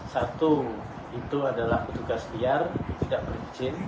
satu itu adalah petugas liar tidak berizin